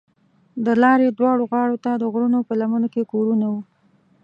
د لارې دواړو غاړو ته د غرونو په لمنو کې کورونه وو.